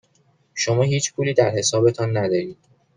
شما هیچ پولی در حسابتان ندارید.